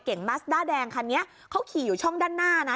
มัสด้าแดงคันนี้เขาขี่อยู่ช่องด้านหน้านะ